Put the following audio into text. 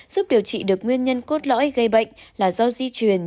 giúp điều trị được nguyên nhân cốt lõi gây bệnh là do di truyền